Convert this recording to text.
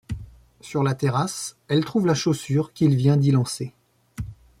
Sur la terrasse, elle trouve la chaussure qu'il vient d'y lancer.